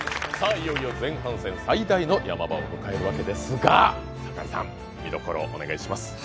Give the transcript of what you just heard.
いよいよ前半戦最大のヤマ場を迎えるわけですが堺さん、見どころをお願いします。